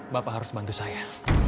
bapak harus bantu saya